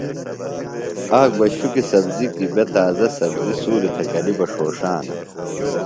آک بہ شُکیۡ سبزی کی بےۡ تازہ سبزیۡ سُوریۡ تھےۡ گلیۡ بہ ݜوݜانہ۔